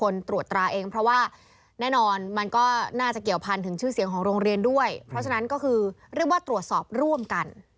ด้วยเพราะฉนั้นก็คือเรียกว่าตรวจสอบร่วมกัน